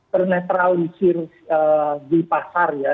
terneutralisir di pasar ya